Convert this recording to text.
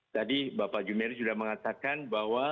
tadi bapak jumeri sudah mengatakan bahwa